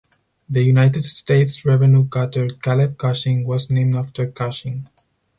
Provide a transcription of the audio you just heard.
The United States Revenue Cutter "Caleb Cushing" was named after Cushing.